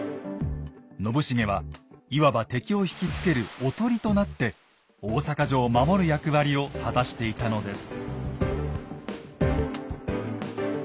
信繁はいわば敵を引きつける「おとり」となって大坂城を守る役割を果たしていたのです。